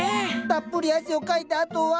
たっぷり汗をかいたあとは。